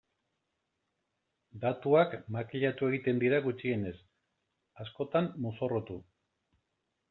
Datuak makillatu egiten dira gutxienez, askotan mozorrotu.